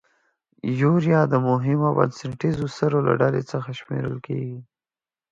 یوریا د مهمو او بنسټیزو سرو له ډلې څخه شمیرل کیږي.